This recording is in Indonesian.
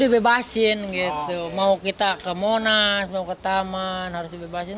dibebasin gitu mau kita ke monas mau ke taman harus dibebasin